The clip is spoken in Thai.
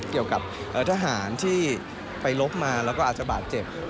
เกี่ยวกับทหารที่ไปลบมาแล้วก็อาจจะบาดเจ็บ